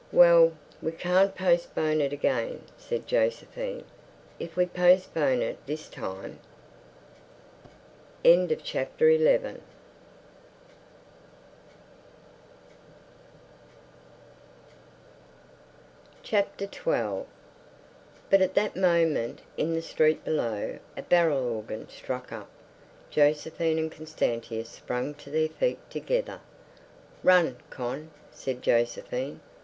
"Well, we can't postpone it again," said Josephine. "If we postpone it this time—" XII But at that moment in the street below a barrel organ struck up. Josephine and Constantia sprang to their feet together. "Run, Con," said Josephine.